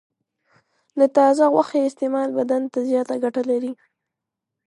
د تازه غوښې استعمال بدن ته زیاته ګټه لري.